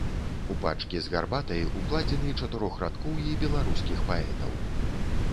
У пачкі з гарбатай укладзены чатырохрадкоўі беларускіх паэтаў.